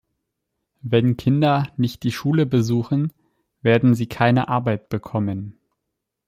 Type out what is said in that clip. Wenn Kinder nicht die Schule besuchen, werden sie keine Arbeit bekommen.